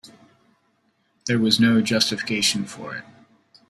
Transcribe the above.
There was no justification for it.